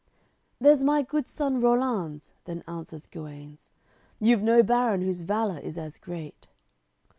"There's my good son, Rollanz," then answers Guenes, "You've no baron whose valour is as great."